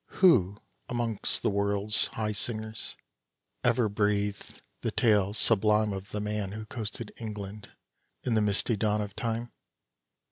Who amongst the world's high singers ever breathed the tale sublime Of the man who coasted England in the misty dawn of time?